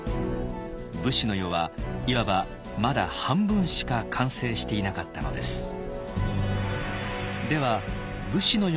武士の世はいわばまだ半分しか完成していなかったのです。